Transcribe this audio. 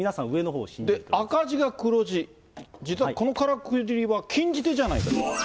赤字が黒字、実はこのからくりは禁じ手じゃないかと。